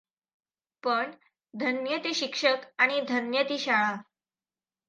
पण धन्य ते शिक्षक आणि धन्य ती शाळा.